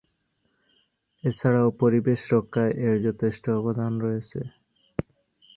এছাড়াও পরিবেশ রক্ষায় এর যথেষ্ট অবদান রয়েছে।